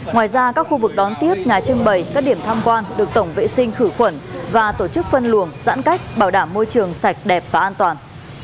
ngoài ra các khu vực đón tiếp nhà trưng bày các điểm tham quan được tổng vệ sinh khử khuẩn và tổ chức phân luồng giãn cách bảo đảm môi trường sạch đẹp và an toàn